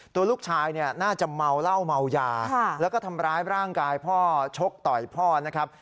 ตัวลูกชายเนี่ยน่าจะเมาเหล้าเมายาแล้วก็ทำร้ายร่างกายพ่อชกต่อยพ่อนะครับ